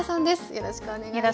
よろしくお願いします。